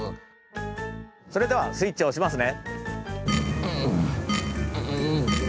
それではスイッチおしますね。